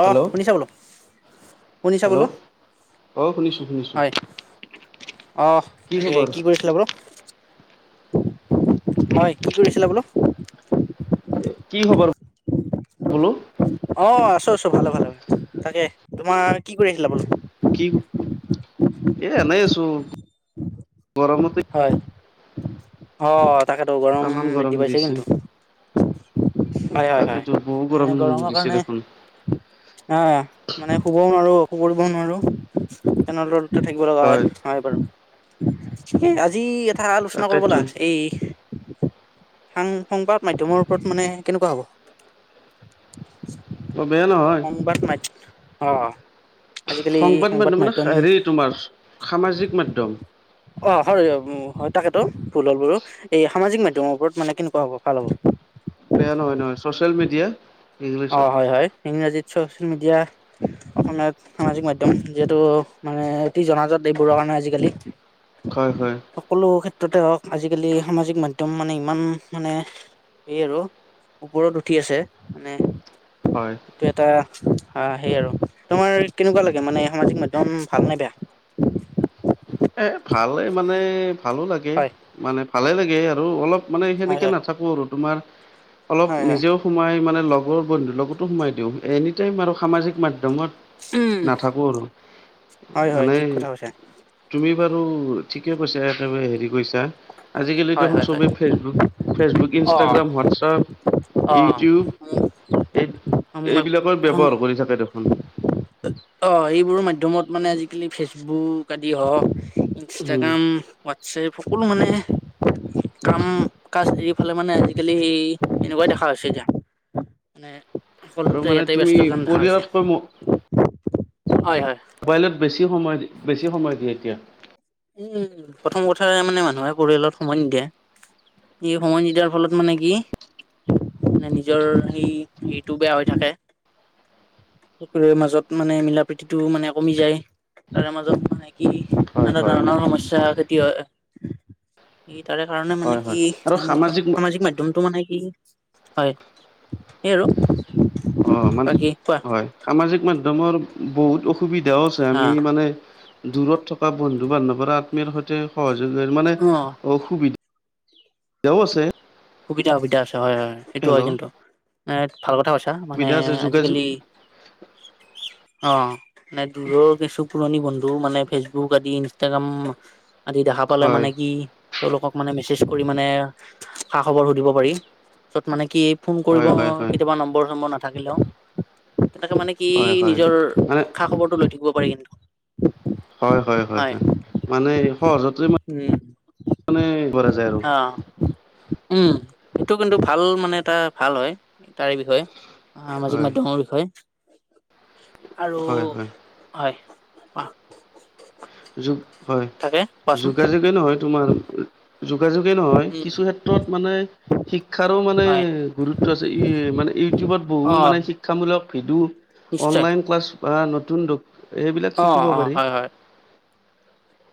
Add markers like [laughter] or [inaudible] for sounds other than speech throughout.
অ! Hello শুনিছা বোলো? শুনিছা বোলো হেল্ল'! অঁ শুনিছোঁ-শুনিছোঁ। অহ! তাকে কি কৰিছিলে বোলো? [unintelligible] হয়, কি কৰিছিলা বোলো? কি খবৰ বোলো অ আছোঁ আছোঁ ভালে ভালে হয় তাকে তোমাৰ কি কৰি আছিলা বোলো কি এ এনেই আছোঁ গৰমতে হয় অ তাকেতো গৰম তামান বৃদ্ধি পাইছে দিছে কিন্তু হয় হয় হয় তাকেতো বহু গৰম এ গৰমৰ দিছে কাৰণে দেখোন অ মানে শুবও নোৱাৰো কৰিবও নোৱাৰো তেনে থাকিব লগা হয়, হয় বাৰু। এই আজি এটা আলোচনা কৰোঁ তাকেতো বলা, এই সংবাদ মাধ্যমৰ ওপৰত মানে কেনেকুৱা হ'ব? অ বেয়া নহয় সংবাদ মাধ্যম অঁ সংবাদ মাধ্যম মানে হেৰি তোমাৰ সামাজিক মাধ্যম। অ হয় হয় তাকেতো ভুল হ'ল বাৰু। এই সামাজিক মাধ্যমৰ ওপ মানে কেনেকুৱা হ'ব ভাল হ'ব। বেয়া নহয় নহয় চচিয়েল মিডিয়া। অ ইংলিছত হয় হয় ইংৰাজীত ছচিয়েল মিডিয়া অসমীয়াত সামাজিক মাধ্যম যিহেঁতু মানে অতি জনাজত এইবোৰৰ কাৰণে আজিকালি। হয় হয়। সকলো ক্ষেত্ৰতে হওঁক। আজিকালি সামাজিক মাধ্যম মানে ইমান মানে এই আৰু ওপৰত উঠি আছে। মানে হয় এইটো এটা সে আৰু তোমাৰ কেনেকুৱা লাগে মানে সামাজিক মাধ্যম ভালনে বেয়া? এ ভালে মানে ভালো লাগে হয় মানে ভালে লাগে আৰু অলপ মানে হয় সেনেকে হয় নাথাকে থাকোঁ আৰু তোমাৰ অলপ হয় হয় নিজেও সোমাই মানে লগৰ বন্ধুৰ লগতো সোমাই দিওঁ এনি টাইম আৰু সামাজিক মাধ্যমত উম নাথাকো আৰু হয় হয় মানে ঠিক কথা কৈছা তুমি বাৰু ঠিকে কৈছা একেবাৰে হেৰি কৈছা আজিকালি হয় হয় দেখোন হয় চবেই ফেচবুক ফেচবুক অ ইনষ্টাগ্ৰাম হোৱাটছপ ইউটিউব এই অ এইবিলাকৰ সং ব্যৱহাৰ কৰি থাকে দেখোন অ এইবোৰ মাধ্যমত মানে আজিকালি ফেচবুক আদি হওঁক উম ইনষ্টাগ্ৰাম হোৱাটছএপ সকলো মানে কাম কাজ এৰিফালে মানে আজিকালি হেৰী এনেকুৱাই দেখা হৈছে এতিয়া মানে আৰু সকলোতে মানে ইয়াতে তুমি ব্যস্ত যে দেখা হৈছে। পৰিয়ালতকৈ হয় হয় মোবাইলত বেছি সময় বেছি সময় দিয়ে এতিয়া। উম প্ৰথম কথা মানে মানুহে পৰিয়ালত সময় নিদিয়ে। এই সময় নিদিয়া ফলত মানে কি মানে নিজৰ সেই হেৰিটো বেয়া হৈ থাকে। সকলোৰে মাজত মানে মিলা প্ৰীতিটো মানে কমি যায় তাৰে মাজত মানে কি হয় নানা হয় ধৰণৰ সমস্যা খেতি হয় এই তাৰে কাৰণে মানে হয় হয় কি আৰু সামাজিক মাধ্যমটো মানে কি হয় সেইয়া আৰু অ মানে বাকী কোৱা হয় সামাজিক মাধ্যমৰ বহুত অসুবিধাও আছে হা আমি মানে দূৰত থকা বন্ধু বান্ধৱৰ আত্মীয় সৈতে সহযোগ মানে অ অসুবিধা বিধাও আছে। সুবিধ, সুবিধ, আছে হয় হয়, সেইটো হয় হেল্ল' কিন্তু। ভাল কথা কৈছা, মানে সুবিধা আছে যোগাযোগ আজিকালি অ, মানে দূৰৰ কিছু পুৰণি বন্ধু মানে, ফেচবুক আদি ইনষ্টাগ্ৰাম আদি দেখা পালে হয় মানে কি, তেওঁলোকক মানে মেছেজ কৰি মানে খা-খবৰটো দিব পাৰি, পিছত মানে কি ফোন কৰিব হয় হয় হয় কেতিয়াবা নম্বৰ-চম্বৰ নাথাকিলেও তেনেকে মানে কি হয় হয় নিজৰ, মানে খা-খবৰটো লৈ থাকিব পাৰি, কিন্তু। হয়, হয়, হয়, হয়, মানে সহজতে উম মান, কৰা যায় আৰু। অ উম, সেইটো কিন্তু ভাল মানে এটা ভাল হয়, তাৰে বিষয়ে। সামাজিক হয় মাধ্যমৰ বিষয়ে আৰু হয় হয় হয়। যোগ হয়, থাকে কোৱাচোন যোগাযোগে নহয় তোমাৰ। যোগাযোগে নহয়, উম কিছু ক্ষেত্ৰত মানে শিক্ষাৰো মানে হয় গুৰুত্ব আছে, এই মানে ইউটিউবত বহু অ মানে শি শিক্ষামূলক ভিডিঅ, নিশ্চয় অনলাইন ক্লাছ বা নতুন এইবিলাক অ শিকিব অ পাৰি। হয় হয়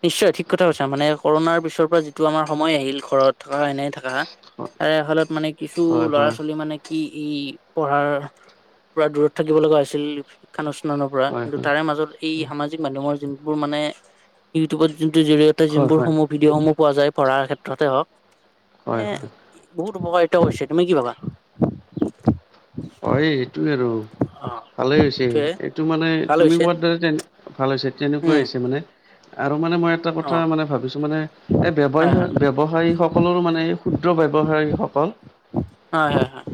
নিশ্চয় ঠিক কথা কৈছা মানে, কৰোণাৰ পিছৰ পৰা যিটো আমাৰ সময় আহিল ঘৰত থকা, এনেই থকা হয় তাৰে, হলত মানে কিছু হয় হয় ল'ৰা-ছোৱালী মানে কি ই, পঢ়াৰ পুৰা দূৰত থাকিব লগা হৈছিল। শিক্ষাৰ অনুষ্ঠান পৰা, হয় কিন্তু হয় তাৰে মাজত এই সামাজিক মাধ্যমৰ যোনবোৰ মানে ইউটিউবত যোনটো জৰি়য়তে, হয় যোনবোৰ হয় সমূহ ভিডিঅ, সমূহ পোৱা যায় পঢ়াৰ ক্ষেত্ৰতে হ'ওক মানে হয় বহুত উপকাৰিতা হৈছে, তুমি কি ভাবা? অ, এই এইটোৱে আৰু অ ভালেই হৈছে, সেইটোয়ে এইটো মানে ভাল তুমি হৈছে কোৱাদৰেত, ভাল হৈছে। তেনেকুৱাই উম হৈছে মানে আৰু মানে মই এটা অ কথা মানে, ভাবিছো মানে এই হয় হয় ব্যৱহাৰ ব্যৱসায়ী সকলৰো মানে, এই ক্ষুদ্ৰ ব্যৱসায়ীসকল। হয়, হয়, হয়।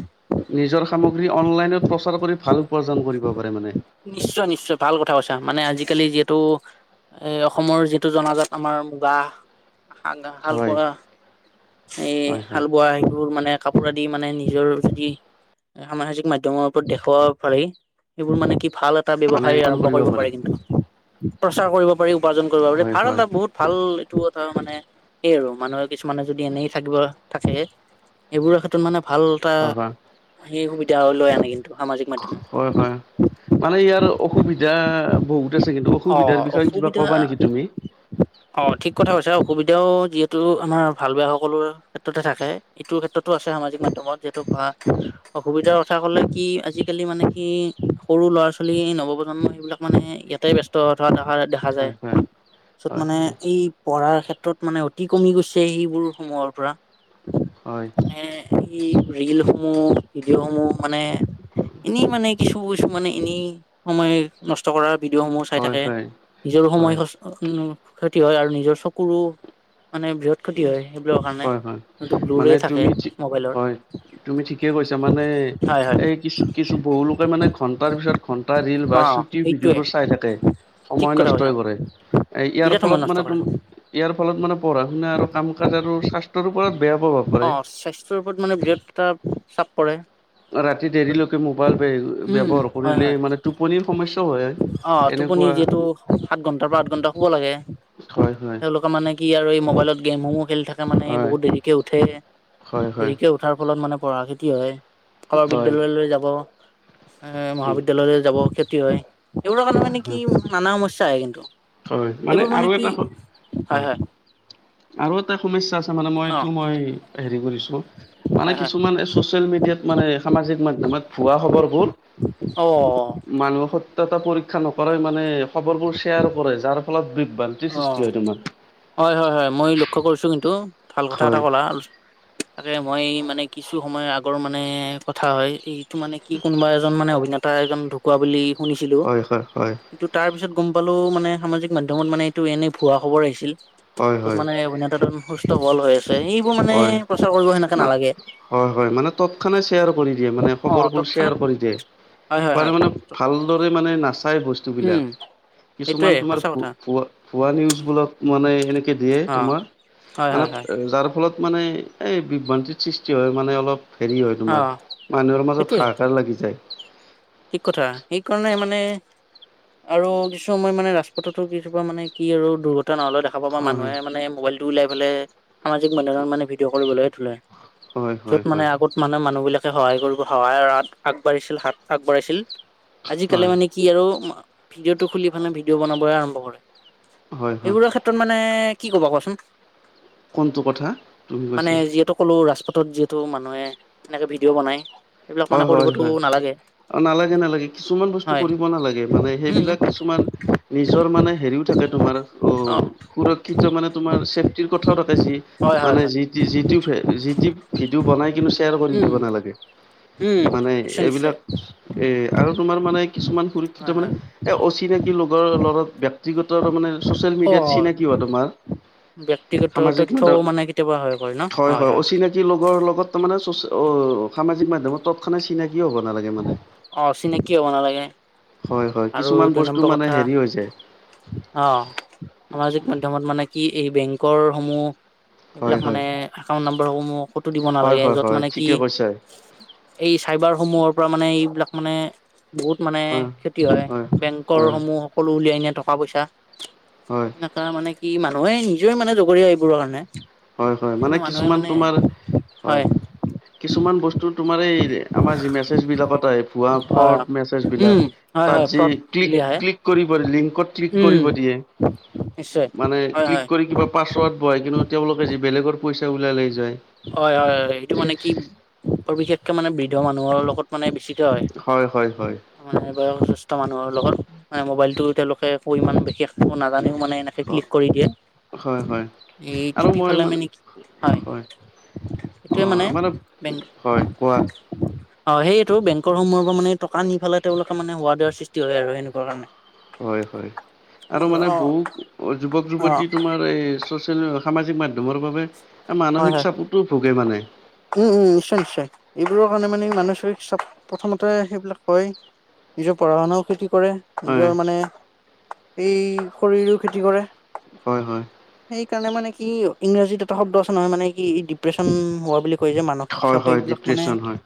নিজৰ সামগ্ৰী অনলাইনত প্ৰচাৰ কৰি ভাল উপাৰ্জন কৰিব পাৰে মানেৎ নিশ্চয, নিশ্চয় ভাল কথা কৈছা, মানে আজিকালি যিহেতু এই অসমৰ যিটো জনাজাত আমাৰ, বাহ খান্দা, হয়, হালবোৱা এই হয়, হয়। হাল বোৱা, সেইবোৰ মানে কাপোৰ আদি মানে নিজৰ যদি এখন মানুহ যদি মাধ্যমৰ ওপৰত দেখুৱাব পৰে, এইবোৰ মানে কি ভাল এ এটা মানে ব্যৱসায় আৰম্ভ কৰিব পাৰি পাৰে। কিন্তু, প্ৰচাৰ কৰিব পাৰি, উপাৰ্জন কৰিব পাৰি হয়, ভাল হয়, এটা বহুত ভাল এইটো কথা মানে, কি আৰু মানুহে কিছুমানে যদি, এনেই থাকিব। থাকে, এইবোৰ ক্ষেত্ৰত মানে ভাল। এটা [inaudible] সেই সুবিধা হ'লে, হৈ অসম সামাজিক মাধ্যমত। হয়, হয়। মানে ইয়াৰ অসুবিধা বহুত আছে কিন্তু, অ অসুবিধাৰ বিষয়ে কিবা অসুবিধা ক'বা নেকি তুমি? অ, ঠিক কথা কৈছে, অসুবিধাও যিহেতু আমাৰ ভাল বেয়া সকলো ক্ষেত্ৰতে থাকে। এইটোৰ ক্ষেত্ৰতো আছে, সামাজিক মাধ্যমত যিহেতু, অসুবিধা কথা ক'লে কি আজিকালি মানে কি সৰু ল'ৰা, ছোৱালী নৱপ্ৰজন্ম এইবিলাক মানে ইয়াতে ব্যস্ত থকা দেখা, দেখা দেখা যায়, হয়, হয়, পিছত হয়, মানে হয়, এই পঢ়াৰ ক্ষেত্ৰত মানে অতি কমি গৈছে। তে, সেইবোৰ সময়ৰ পৰা। হয়, মানে এই ৰিলসমূহ, ভিডিঅ, সমূহ মানে এনে মানে কিছুু, বস্তু মনে এনেই সময় নষ্ট কৰা ভিডিঅ, সমূহ খাই হয়, থাকে, হয়, নিজৰো সময় হয়। ক্ষতি হয় আৰু নিজৰ চকুৰো মানে বি ক্ষতি হয়, সেইবোৰ কাৰণে, হয় হয় সেতু মানে দোৰে থাকে তুমি ঠিক মোবাইলৰ। হয় তুমি ঠিকে কৈছা মানে হয় হয় এই, কিছু কিছু বহু লোকে মানে ঘণ্টাৰ পিছত, ঘন্টা ৰেল বা অ সেইটোৱে ভিডিঅ'বোৰ চাই থাকে ঠিক সময় কথা নষ্ট কৈছা। হৈ কৰে, ইয়াৰ বিৰাট সময় ফলত নষ্ট মানে তু কৰে ইয়াৰ ফলত মানে পঢ়া, শুনা আৰু কাম কাজ আৰু স্বাস্থ্য অঁ, স্বাস্থ্যৰ ওপৰত মানে বিৰাট এটা চাপ পৰে। ৰাতি দেৰিলৈকে মোবাইল উম ব্যৱহাৰ কৰিলে মানে, টোপনিৰ সমস্যাও হয়। অঁ, টোপনি এনেকুৱা যিহেতু সাত ঘণ্টা বা আঠ ঘণ্টা শুব লাগে। হয় হয় তেওঁলোকে মানে কি আৰু এই মোবাইলত গে গেম চেমুমো খেলি থাকে, মানে হয় বহুত দেৰিকে উঠে, হয় হয় দেৰিকে উঠাৰ ফলত মানে পঢ়া ক্ষতি হয়। কলৰ হয় বিদ্যালয়লৈ যাব, এ উম, মহাবিদ্যালয়লৈ যাব ক্ষতি হয়। এইবোৰৰ কাৰণে হয় মানে কি হয় নানা সমস্যা হৈ কিন্তু, হয় এইবোৰ মানে আৰু কি এটা হয় হয়। আগতে সমস্যা আছে মানে অ মইটো মই হেৰি, হেৰি কৰি। আছো। মানে হয় হয় কিছুমান এই চচিয়েল মিডিয়াত মানে সামাজিক মাধ্যমত ভুৱা খবৰবোৰ। অ। মানুহক সত্যতা পৰীক্ষা নকৰে মানে খবৰবোৰ শ্বেয়াৰ কৰে যাৰ ফলত বৃ অঁ, হয় হয় হয় মই লক্ষ্য কৰিছো কিন্তু, ভাল কথা এটা হয় ক'লা। তাকে মই মানে কিছু সময় আগৰ মানে কথা হয় এইটো মানে কি কোনবাৰ এজন মানে অভিনেতা এজন ঢুকোৱা বুলি শুনিছিলো, হয় হয় হয় কিন্তু তাৰপিছত গ'ম পালো মানে সামাজিক মাধ্যমত মানে এইটো এনেই ভুৱা খবৰ আহিছিল। হয় ত'ত হয় মানে অভিনেতাজন সুস্থ হব'ল হৈ আছে, সেইবোৰ মানে হয় খৰচা কৰিব সেনেকে নালাগে। হয় হয়, মানে তৎক্ষণাতেই শ্বেয়াৰ কৰি দিয়ে মানে অ খবৰবোৰ তৎক্ষণাত শ্বেয়াৰ কৰি দিয়ে। হয় হয় হয়। চবৰে মানে নাচায় উম বস্তুবিলাক। সেইটোয়ে কিছুমান তোমাৰ সঁচা ভো কথা ভুৱা ভুৱা নিউজ বিলাক মানে সেনেকে দিয়ে অ তোমাৰ। হয় মানে হয় হয় যাৰ ফলত মানে এই বিভ্ৰান্তিত সৃষ্টি হয় মানে অলপ। হেৰি হয় অ তোমাৰ, মানুহৰ মাজত সেইটোয়ে হাহাকাৰ লাগি যায়। ঠিক কথা, সেইকাৰণে মানে। আৰু কিছুমান মানে ৰাস্তাটোত কিছুমান মানে কি হৈ গ'ল দুৰ্ঘটনা নহ'লে দে খাব বা হয় মানুহে মানে মোবাইলটো ওলাই পেলাই, সাজিক মাধ্যমত মানে ভিডিঅ কৰিবলৈ তুলে। হয় হয় হয়। মানে মানুহ বিলাকে সহায় কৰিব সহায়ৰ হাত, আগবাঢ়িছিল হাত আগবঢ়ছিল, আজিকালি হয় মানে কি আৰু ভিডিঅটো খুলি পানে ভিডিঅ' বনাবলৈ আৰম্ভ কৰে, হয় হয় সেইবোৰ আশাত ক্ষেত্ৰত মানে কি ক'বা কোৱাচোন? কোনটো কথা, বুজি পাইছোঁ। সকলো ৰাজপথত যিহেতু মানুহে এনেকে ভিডিঅ' বনাই। এইবিলাক মানে হয় হয় কৰিবতো হয়, নালাগে অঁ নালাগে নালাগে। কিছুমান বস্তু হয় কৰিব নালাগে, মানে উম সেইবিলাক কিছুমান নিজৰ মানে হেৰিও থাকে তোমাৰ অ সুৰক্ষিত মানে তোমাৰ ছেফটিৰ কথাও থাকে যি হয় হয় মানে হয়। যি যি টি যি টি ভিডিঅ' বনাই কিন্তু শ্বেয়াৰ কৰি দিব উম নালাগে। উম মানে নিশ্চয় নিশ্চয় এইবিলাক এ আৰু তোমাৰ মানে কিছুমান হয় সুৰক্ষিত মানে হয় এ অচিনাকি লোকৰ লগত ব্যক্তিগত তামানে চচিয়েল মিডিয়াত অ চিনাকি হোৱা তোমাৰ। ব্যক্তিগত সামাজিক মাধ্যম তথ্যও মানে কেতিয়াবা হয় কয় ন, হয় হয়। ব্যক্তিৰ লগৰ লগত তাৰমানে অ সামাজিক মাধ্যমত তৎক্ষণাত চিনা কি হ'ব নালাগে মানে। অ চিনাকি হ'ব নালাগে হয় হয় আৰু কিছুমান দুই বস্তু নম্বৰ মানে কথা হেৰি হৈ যায় অ সামাজিক মাধ্যমত মানে কি এই বেংকৰ সমূহ হয় এইবিলাক হয় মানে একাউন্ট নাম্বৰসমূহ ক'তো দিব হয় নালাগে হয় য'ত হয় মানে কি ঠিকে কৈছা এই চাইবাৰ সমূহৰ পৰা মানে এইবিলাক মানে বহুত মানে হয় ক্ষতি হয় বেংকৰ সমূহ সকলো উলিয়াই নিয়ে টকা পইচা হয় এনেকা মানে কি মানুহে নিজে মানে জগৰীয়া এইবোৰৰ কাৰণে হয় হয় মানে সেইকাৰণে মানুহে কিছুমান মানে তোমাৰ হয় কিছুমান বস্তু তোমাৰ এই আমাৰ যি মেছেজ বিলাকত আহে ভূৱা হয় ফ্ৰড মেছেজ উম বিলাক হয় হয় তাত যি ফ্ৰড বুলি ক্লিক আহে ক্লিক কৰিব লিংকত ক্লিক উম কৰিব দিয়ে নিশ্চয় মানে হয় হয় ক্লিক কৰি কিবা পাছৱৰ্ড ভৰাই কিনে তেওঁলোকে যি বেলেগৰ পইচা ওলাই লৈ যায় হয় হয় হয় এইটো মানে কি বিশেষকে মানে বৃদ্ধ মানুহৰ লগত মানে বেছিকৈ হয় হয় হয় হয় মানে বয়সস্থ মানুহৰ লগত মানে মোবাইলতো তেওঁলোকে একো ইমান বিশেষ নাজানেও মানে এনে তাতে ক্লিক কৰি দিয়ে হয় হয় আৰু এইটিপি মই পেলাই মানে কি হয় অ মানে বেংক হয় কোৱা অ সেইয়েটো বেংকৰ সমূহৰ পৰা মানে টকা নি পেলাই তেওঁলোকে মানে ৱাৰ্ডাৰ সৃষ্টি হয় আৰু সেনেকুৱা কাৰণে হয় হয় আৰু মানে অ বহু যুৱক অ যুৱতী তোমাৰ ছচিয়েল সামাজিক মাধ্যমৰ বাবে হয় মানসিক হয় চাপতো ভোগে মানে উম উম নিশ্চয় নিশ্চয় এইবোৰৰ কাৰণে মানে মানসিক চাপ প্ৰথমতে সেইবিলাক হয় নিজৰ পঢ়া শুনাও ক্ষতি কৰে হয় নিজৰ মানে এই শৰীৰৰো ক্ষতি কৰে হয় হয় সেইকাৰণে মানে কি ইংৰাজীত এটা শব্দ নহয় মানে কি এই ডিপ্ৰেশচন হোৱা বুলি কয় যে মানসিক হয় চাপ হয় সেইবিলাক মানে ডিপ্ৰেশ্যন হয়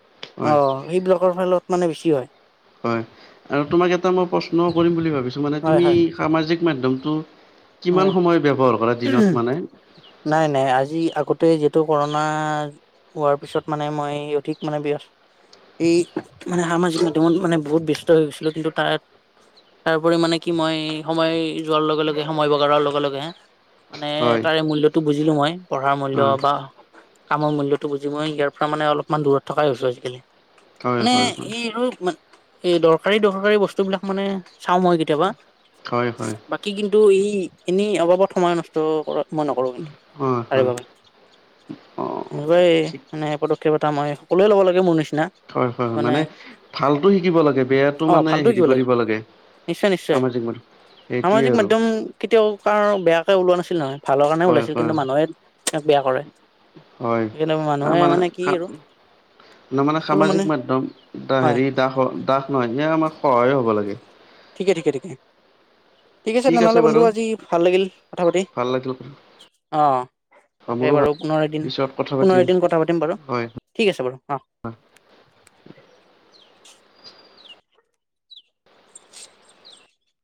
অ হয় সেইবিলাকৰ ফলত মানে বেছি হয় হয় আৰু তোমাক এটা মই প্ৰশ্ন কৰিম বুলি ভাবিছো মানে হয় তুমি হয় সামাজিক মাধ্যমটো কিমান হয় সময় ব্যৱহাৰ কৰা দিনত মানে নাই নাই আজি আগতে যিহেতু কৰোণা হোৱাৰ পিছত মানে মই অধিক মানে ব্যৱ এই মানে সামাজিক মাধ্যমত মানে বহুত ব্যস্ত হৈ গৈছিলোঁ কিন্তু তাত তাৰোপৰি মানে কি মই সময় যোৱাৰ লগে লগে সময় বগাৰৰ লগে লগে মানে হয় তাৰে মূল্যটো বুজিলো মই পঢ়াৰ মূল্য হয় বা কামৰ মূল্যটো বুজি মই ইয়াৰ পৰা মানে অলপমান দূৰত থকাই হৈছো আজিকালি হয় মানে হয় হয় এই আৰু এ দৰকাৰী দৰকাৰী বস্তু বিলাক মানে চাও মই কেতিয়াবা হয় হয় বাকী কিন্তু কিন্তু ই এনেই অবাবত সময় নষ্ট কৰা মই নকৰো কিন্তু হয় তাৰে হয় বাবে অ এনেকুৱাই ঠিক মানে পদক্ষেপ এটা মই সকলোৱে ল'ব লাগে মোৰ নিচিনা হয় হয় হয় মানে ভালতো শিকিব লাগে বেয়াটো অ মানে ভালটো হেৰি কিব কৰিব লাগে নিশ্চয় নিশ্চয় সামাজিক মাধ্যম সেইটোৱে সামাজিক আৰু মাধ্যম কেতিয়াও কাৰ বেয়াকৈ ওলোৱা নাছিল নহয় ভালৰ কাৰণে হয় ওলাইছিল হয় কিন্তু মানুহে ইয়াক বেয়া কৰে হয় সেইকাৰণে মানুহে মানে কি আৰু নহয় মানে সামাজিক মাধ্যম এটা হয় হেৰি দাস দাস নহয় সেই আমাক সহায়ে হ'ব লাগে ঠিকে ঠিক ঠিকে ঠিক আছে তেনেহ'লে বন্ধু আজি ভাল লাগিল কথা পাতি ভাল লাগিল অ তাকে মোৰো ভাল বাৰু পুনৰ এদিন পিছত কথা পাতিম পুনৰ এদিন কথা পাতিম বাৰু হয়। ঠিক আছে বাৰু অ